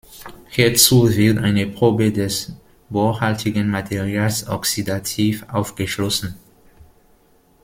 Hierzu wird eine Probe des Bor-haltigen Materials oxidativ aufgeschlossen.